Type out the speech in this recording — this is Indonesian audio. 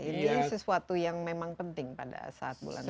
ini sesuatu yang memang penting pada saat bulan puasa